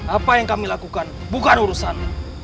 apa yang kami lakukan bukan urusan